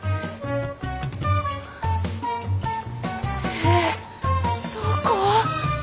えっどこ？